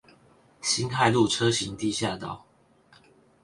辛亥路車行地下道